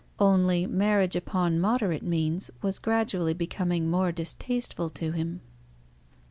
Only marriage upon moderate means was gradually becoming more distasteful to him.